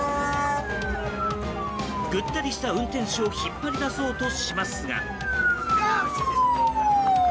ぐったりした運転手を引っ張り出そうとしますが。